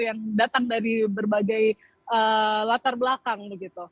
yang datang dari berbagai latar belakang begitu